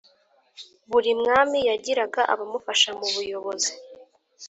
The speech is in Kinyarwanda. buri mwami yagiraga abamufasha mu buyobozi